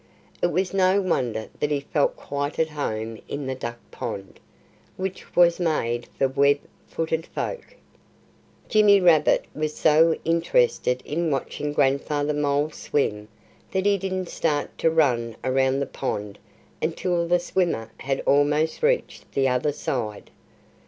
It was no wonder that he felt quite at home in the duck pond, which was made for web footed folk. Jimmy Rabbit was so interested in watching Grandfather Mole swim that he didn't start to run around the pond until the swimmer had almost reached the other side.